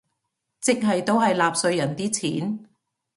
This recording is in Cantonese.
即係都係納稅人啲錢